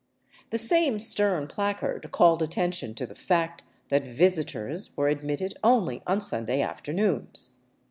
The same stern placard called attention to the fact that visitors were admitted only on Sunday afternoons.